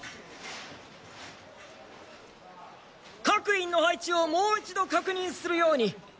各員の配置をもう一度確認するように。